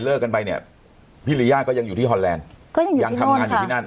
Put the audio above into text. เลิกกันไปเนี่ยพี่ลิยาก็ยังอยู่ที่ฮอลแลนด์ก็ยังอยู่ที่นู่นค่ะยังทำงานอยู่ที่นั่น